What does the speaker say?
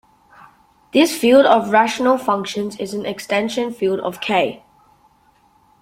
This field of rational functions is an extension field of "K".